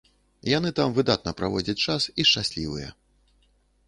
Яны там выдатна праводзяць час і шчаслівыя.